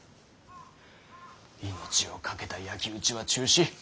命をかけた焼き討ちは中止。